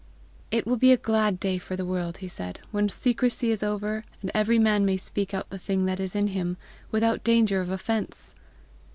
"It will be a glad day for the world," he said, "when secrecy is over, and every man may speak out the thing that is in him, without danger of offence!"